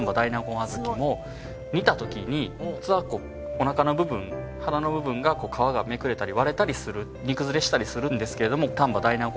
小豆も煮たときに普通はおなかの部分腹の部分が皮がめくれたり割れたりする煮崩れしたりするんですけども丹波大納言